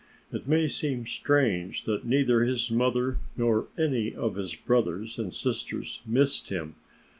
It may seem strange that neither his mother nor any of his brothers and sisters missed him.